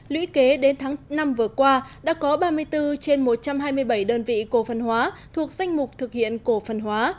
lũy kế đến tháng năm vừa qua đã có ba mươi bốn trên một trăm hai mươi bảy đơn vị cổ phân hóa thuộc danh mục thực hiện cổ phần hóa